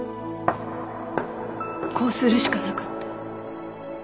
こうするしかなかった。